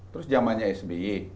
terus jamannya sby